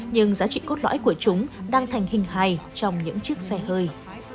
nhưng giá trị cốt lõi của chúng đang thành hình hài trong những chiếc xe hơi